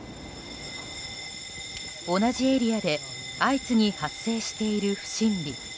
同じエリアで相次ぎ発生している不審火。